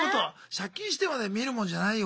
借金してまで見るもんじゃないよ